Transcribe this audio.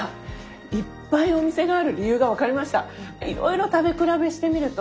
いっぱいお店がある理由がわかりました。